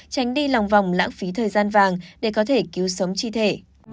tránh đi lòng vòng lãng phí thời gian vàng để có thể cứu sống chi thể